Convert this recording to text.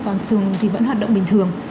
còn trường thì vẫn hoạt động bình thường